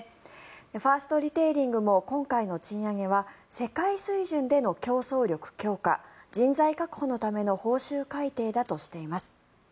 ファーストリテイリングも今回の賃上げは世界水準での競争力強化人材確保のための報酬改定だとしています。